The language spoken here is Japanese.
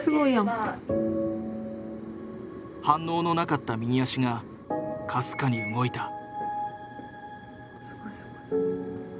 反応のなかった右足がかすかに動いた。